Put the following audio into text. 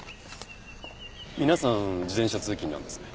皆さん自転車通勤なんですね。